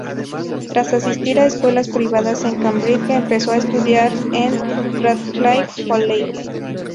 Tras asistir a escuelas privadas en Cambridge, empezó a estudiar en Radcliffe College.